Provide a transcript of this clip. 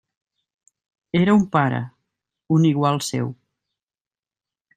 Era un pare, un igual seu.